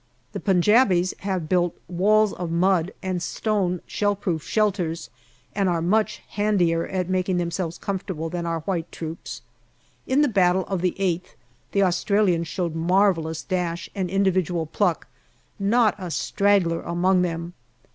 The Punjabis have built walls of mud and stone shell proof shelters, and are much handier at making themselves comfortable than our white troops. In the battle of the 8th the Australians showed marvellous dash and individual pluck not a straggler among them.